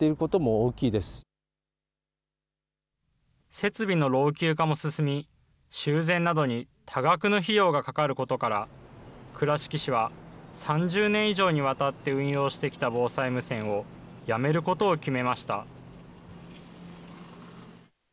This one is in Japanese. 設備の老朽化も進み、修繕などに多額の費用がかかることから、倉敷市は３０年以上にわたって運用してきた防災無線をやめることを決めました。